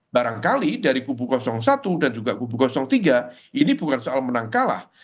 barangkali dari kubu satu dan juga kubu tiga ini bukan soal menang kalah